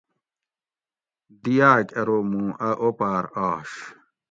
دی آۤک ارو مُوں اۤ اوپاۤر آش